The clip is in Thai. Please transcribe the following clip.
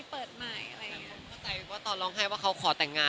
มีความสุขมากค่ะ